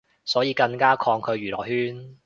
所以更加抗拒娛樂圈